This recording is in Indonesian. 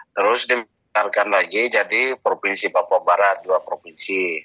terus dibesarkan lagi jadi provinsi papua barat dua provinsi